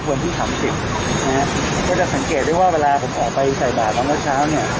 วันที่๓๐นะครับก็จะสังเกตได้ว่าเวลาผมออกไปใส่บาตรนั้นเมื่อเช้าเนี่ย